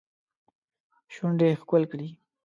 شونډې ښکل کړي